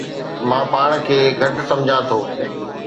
مان پاڻ کي گهٽ سمجهان ٿو